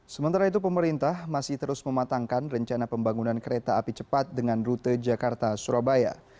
sementara itu pemerintah masih terus mematangkan rencana pembangunan kereta api cepat dengan rute jakarta surabaya